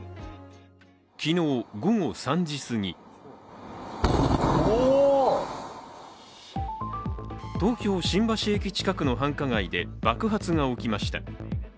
昨日午後３時すぎ東京・新橋駅近くの繁華街で爆発が起きました。